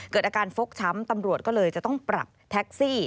เกิดอาการฟกช้ำตำรวจก็เลยจะต้องปรับแท็กซี่